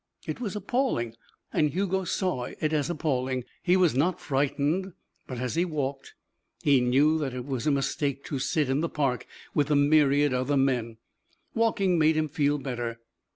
It was appalling and Hugo saw it as appalling. He was not frightened, but, as he walked, he knew that it was a mistake to sit in the park with the myriad other men. Walking made him feel better.